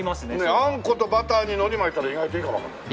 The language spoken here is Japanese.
あんことバターに海苔巻いたら意外といいかもわからない。